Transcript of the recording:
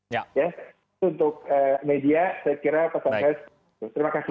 itu untuk media saya kira pesantren terima kasih